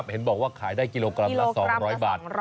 เห็นบอกว่าขายได้กิโลกรัมละ๒๐๐บาท